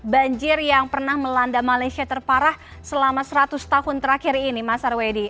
banjir yang pernah melanda malaysia terparah selama seratus tahun terakhir ini mas arwedi